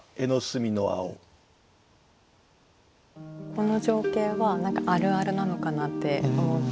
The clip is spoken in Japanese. この情景は何かあるあるなのかなって思って。